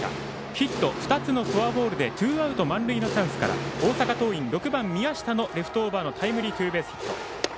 ヒット２つのフォアボールでツーアウト満塁のチャンスから大阪桐蔭６番、宮下のレフトオーバーのタイムリーツーベースヒット。